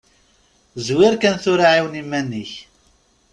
Zwir kan tura ɛiwen iman-ik.